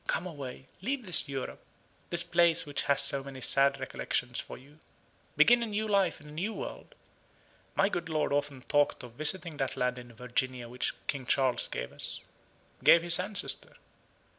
Come away leave this Europe, this place which has so many sad recollections for you. Begin a new life in a new world. My good lord often talked of visiting that land in Virginia which King Charles gave us gave his ancestor.